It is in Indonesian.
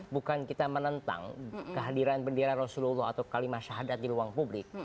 bukan kita menentang kehadiran bendera rasulullah atau kalimat syahadat di ruang publik